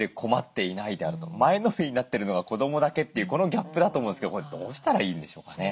前のめりになってるのは子どもだけというこのギャップだと思うんですけどこれどうしたらいいんでしょうかね？